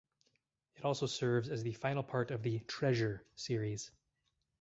It also serves as the final part of the "Treasure" series.